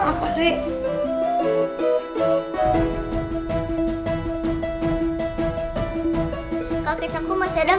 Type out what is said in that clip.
sudah begitu uuguha